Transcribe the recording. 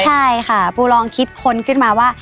ใช่ค่ะปูลองคิดค้นขึ้นมาว่า